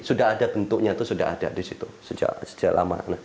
sudah ada bentuknya itu sudah ada di situ sejak lama